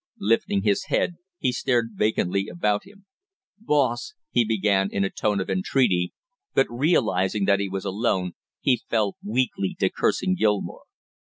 Lifting his head he stared vacantly about him. "Boss " he began in a tone of entreaty, but realizing that he was alone he fell weakly to cursing Gilmore.